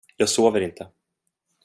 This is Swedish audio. Jag sover inte.